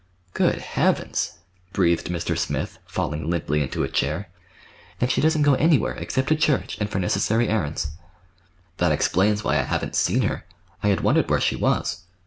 "Good Heavens!" breathed Mr. Smith, falling limply into a chair. "And she doesn't go anywhere, except to church, and for necessary errands." "That explains why I haven't seen her. I had wondered where she was."